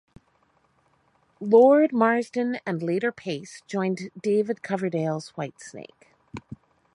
Lord, Marsden and later Paice joined David Coverdale's Whitesnake.